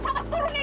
saya kan buru buru